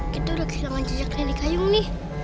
kita udah kehilangan cicaknya di kayung nih